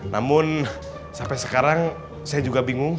namun sampai sekarang saya juga bingung